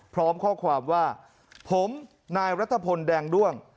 พร้อมข้อความว่าผมนายรัฐพลแดงด้วง